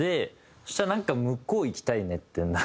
そしたらなんか向こう行きたいねって。